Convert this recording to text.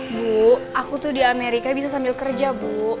bu aku tuh di amerika bisa sambil kerja bu